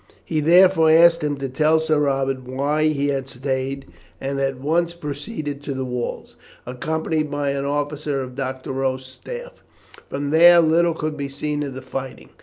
He therefore asked him to tell Sir Robert why he had stayed, and at once proceeded to the walls, accompanied by an officer of Doctorow's staff. From there, little could be seen of the fighting.